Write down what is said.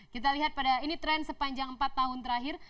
kita lihat pada ini tren sepanjang empat tahun terakhir